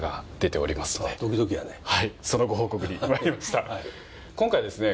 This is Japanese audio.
そのご報告にまいりました今回ですね